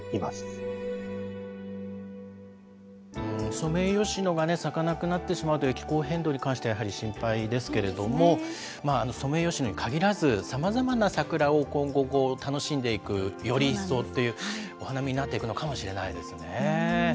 ソメイヨシノが咲かなくなってしまうという気候変動に関しては、やはり心配ですけれども、ソメイヨシノに限らず、さまざまな桜を今後、楽しんでいく、より一層っていう、お花見になっていくのかもしれないですね。